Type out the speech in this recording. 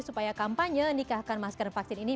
supaya kampanye nikahkan masker vaksin ini